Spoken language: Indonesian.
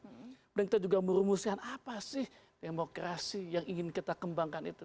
kemudian kita juga merumuskan apa sih demokrasi yang ingin kita kembangkan itu